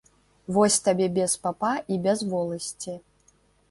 Вось табе без папа і без воласці.